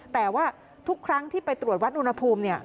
แต่ว่าทุกครั้งที่ไปตรวจวัดอุณหภูมิเนี่ย